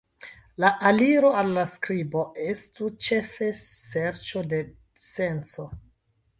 La aliro al la skribo estu ĉefe serĉo de senco.